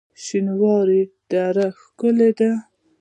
شینوارو دره ښکلې ده؟